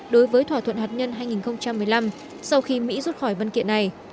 đối với thỏa thuận hạt nhân hai nghìn một mươi năm sau khi mỹ rút khỏi văn kiện này